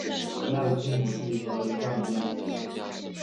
谭家有几百亩田地和一家米店。